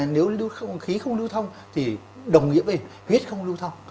nếu không khí không lưu thông thì đồng nghĩa với huyết không lưu thông